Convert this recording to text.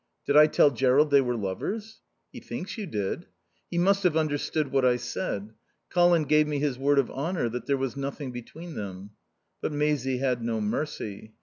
"Did I tell Jerrold they were lovers?" "He thinks you did." "He must have misunderstood what I said. Colin gave me his word of honour that there was nothing between them." But Maisie had no mercy.